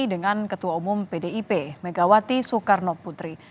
dengan ketua umum pdip megawati soekarno putri